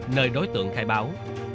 nơi đối tượng khai báo